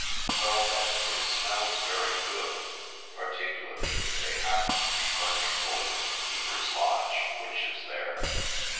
Well, then, it smells very good, particularly if they happen to be burning wood in the keeper's lodge which is there.